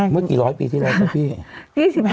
เมื่อกี่ร้อยปีที่แรกนะพี่